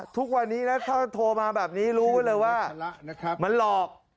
ทุกวันนี้นะถ้าโทรมาแบบนี้รู้ไว้เลยว่ามันหลอก